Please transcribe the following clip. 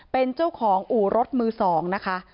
เป็นเจ้าของอู่รถมือ๒นะคะ